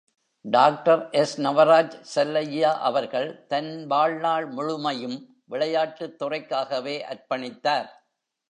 டாக்டர்.எஸ்.நவராஜ் செல்லையா அவர்கள் தன் வாழ்நாள் முழுமையும் விளையாட்டுத் துறைக்காகவே அர்ப்பணித்தார்.